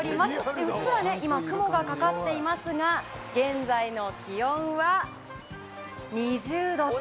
うっすら今雲がかかっていますが現在の気温は２０℃と。